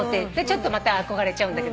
ちょっとまた憧れちゃうんだけど。